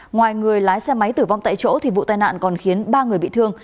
ngoài người lái xe máy tử vong tại chỗ vụ tai nạn còn khiến ba người bị thương